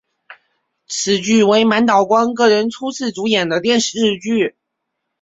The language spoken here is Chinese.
此剧为满岛光个人初次主演的电视剧。